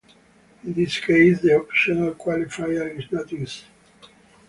In this case the optional qualifier is not used.